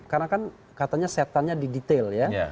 karena kan katanya setannya di detail ya